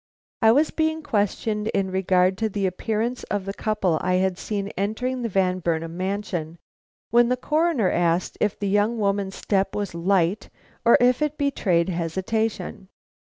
I was being questioned in regard to the appearance of the couple I had seen entering the Van Burnam mansion, when the Coroner asked if the young woman's step was light, or if it betrayed hesitation.